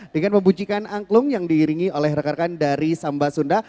dengan membunyikan angklung yang diiringi oleh rekan rekan dari samba sunda